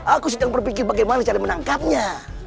aku sedang berpikir bagaimana cara menangkapnya